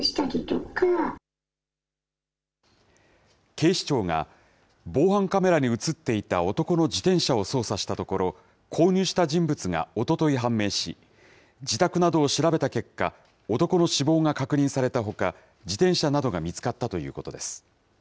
警視庁が、防犯カメラに写っていた男の自転車を捜査したところ、購入した人物がおととい判明し、自宅などを調べた結果、男の死亡が確認されたほか、自転車などが見つかったということです。